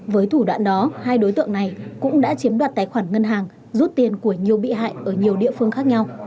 với thủ đoạn đó hai đối tượng này cũng đã chiếm đoạt tài khoản ngân hàng rút tiền của nhiều bị hại ở nhiều địa phương khác nhau